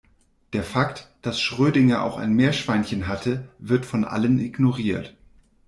Der Fakt, dass Schrödinger auch ein Meerschweinchen hatte, wird von allen ignoriert.